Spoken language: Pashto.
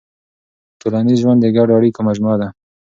ټولنیز ژوند د ګډو اړیکو مجموعه ده.